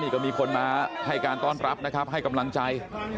ก็มีคนมาให้การต้อนรับนะครับให้กำลังใจ